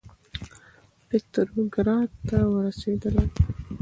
پتروګراډ ته ورسېدلم.